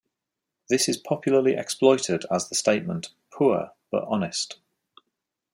This is popularly exploited as the statement, Poor, but honest.